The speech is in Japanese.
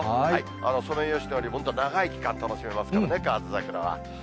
ソメイヨシノよりもっと長い期間楽しめますからね、河津桜は。